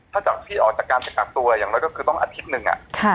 ถ้าจากพี่ออกจากการไปกักตัวอย่างน้อยก็คือต้องอาทิตย์หนึ่ง